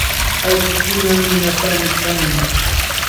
Allquqa nunatami kanin.